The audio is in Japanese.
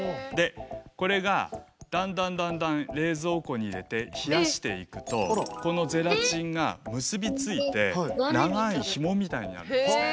これがだんだんだんだん冷蔵庫に入れて冷やしていくとこのゼラチンが結びついて長いヒモみたいになるんですね。